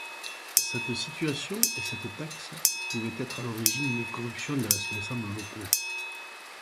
Cette situation et cette taxe pouvaient être à l'origine de corruption des responsables locaux.